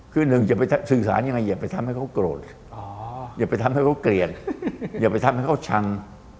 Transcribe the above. คือหนึ่งอย่าไปสื่อสารยังไงอย่าไปทำให้เขาโกรธอย่าไปทำให้เขาเกลียดอย่าไปทำให้เขาชัง